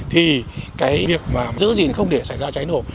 thì cái việc mà giữ gìn không để xảy ra cháy nổ